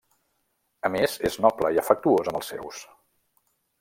A més és noble i afectuós amb els seus.